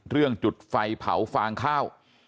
เรื่องจุดไฟเผาฟางข้าว